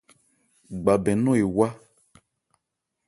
Gba bɛn nɔ̂n ewá.